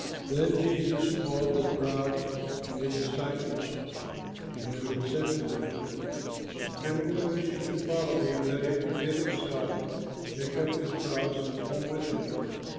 Then Jesus called the crowd and his disciples to him, and said to them, "If any one wishes to follow me, let him forget himself, take up his cross, and come with me.